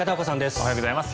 おはようございます。